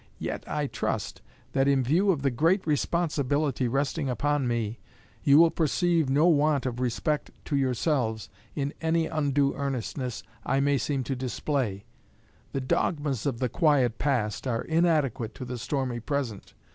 Yet I trust that in view of the great responsibility resting upon me, you will perceive no want of respect to yourselves in any undue earnestness I may seem to display.... The dogmas of the quiet past are inadequate to the stormy present.